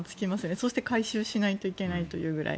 そして、回収しないといけないというぐらい。